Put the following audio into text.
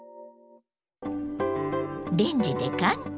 レンジで簡単！